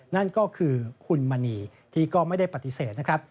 นั่นก็คือคุณมณีที่ก็ไม่ได้ปฏิเสธนะครับ